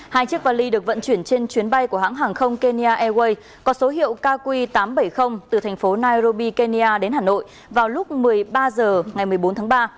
hai chiếc vali được vận chuyển trên chuyến bay của hãng hàng không kenya airways có số hiệu kq tám trăm bảy mươi từ thành phố nairobi kenya đến hà nội vào lúc một mươi ba h ngày một mươi bốn tháng ba